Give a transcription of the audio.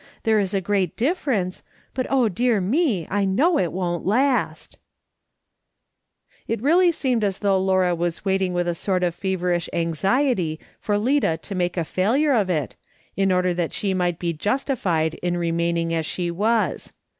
There is a great difference ; but oh, dear me ■ I know it won't last !" It really seemed as though Laura was waiting with a sort of feverish anxiety for Lida to make a failure of it, in order that she might be justified in remaining as she was.